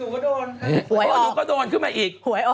ก็หนูก็โดนอีก